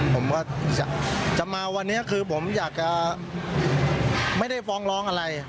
ผมก็จะมาวันนี้คือผมอยากจะไม่ได้ฟ้องร้องอะไร